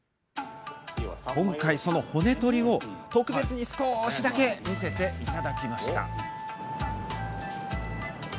今回その骨取りを特別に少し見せていただきました。